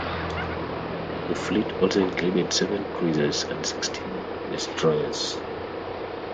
The fleet also included seven cruisers and sixteen destroyers.